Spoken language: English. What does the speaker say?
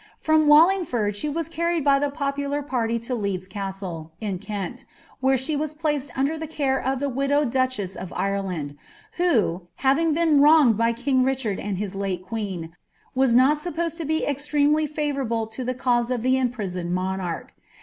From WBllinglbrd she Ivan carried hf the popular jiarly to Leeds Cn.vlle, in Kent, where she was placed ut»]er Ihe care of llie widowed duchess of Ireland, who, having been wronged by king Richard and his late queen, was nol suppuseil to l>e extremetf b'vinirablc lo [he cause of ihe imprisoned monaich.